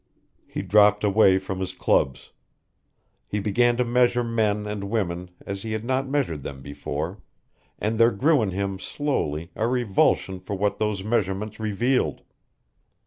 He dropped away from his clubs. He began to measure men and women as he had not measured them before, and there grew in him slowly a revulsion for what those measurements revealed.